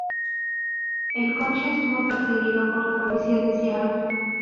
El coche estuvo perseguido por la policía de Seattle.